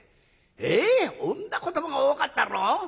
ええっ女子どもが多かったろ？